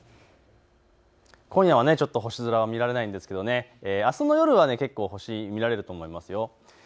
今夜は星空が見られないんですがあすの夜は結構、星は見られると思います。